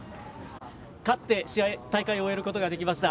勝って大会を終えることができました。